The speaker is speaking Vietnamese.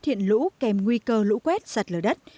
thiện lũ kèm nguy cơ lũ quét sặt lở đất